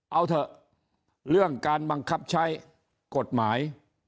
เอาเถอะเรื่องการบังคับใช้กฎหมาย